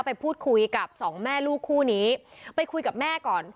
ไปพูดคุยกับสองแม่ลูกคู่นี้ไปคุยกับแม่ก่อน